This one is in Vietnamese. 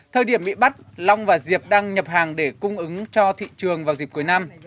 thời điểm bị bắt long và diệp đang nhập hàng để cung ứng cho thị trường vào dịp cuối năm